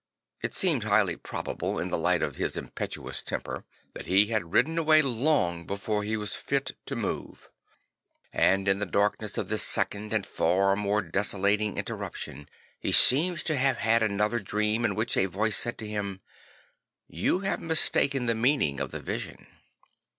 It seems highly probable, in the light of his impetuous temper, that he had ridden away long before he was fit to move. And 56 St. Francis of Assisi in the darkness of this second and far more desolating interruption, he seems to have had another dream in which a voice said to him, " You have mistaken the meaning of the vision.